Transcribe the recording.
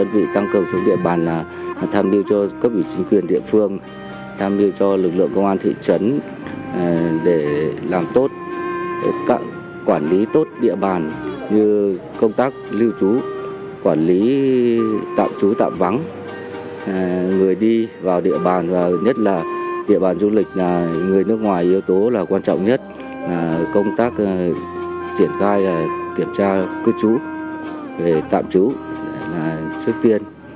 với nước ngoài yếu tố là quan trọng nhất là công tác triển khai kiểm tra cư trú tạm trú trước tiên